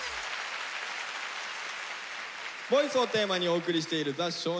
「ＶＯＩＣＥ」をテーマにお送りしている「ザ少年倶楽部」。